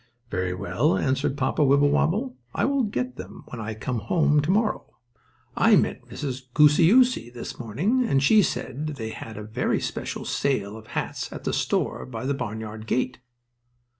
"Very well," answered Papa Wibblewobble, "I will get them when I come home to morrow. I met Mrs. Gooseyoosy this morning and she said they had a special sale of hats at the store by the barnyard gate."